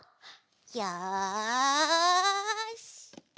よし！